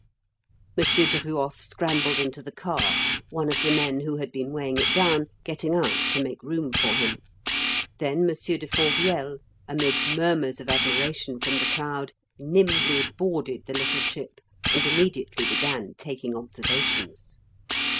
M. Duruof scrambled into the car, one of the men who had been weighing it down getting out to make room for him. Then M. de Fonvielle, amid murmurs of admiration from the crowd, nimbly boarded the little ship, and immediately began taking observations.